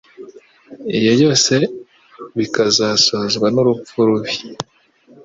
ibyo byose bikazasozwa n'urupfu rubi.